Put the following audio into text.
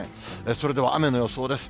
それでは雨の予想です。